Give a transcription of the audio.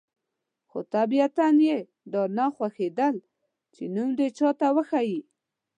خو طبیعتاً یې دا نه خوښېدل چې نوم دې چاته وښيي.